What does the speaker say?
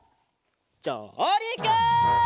じょうりく！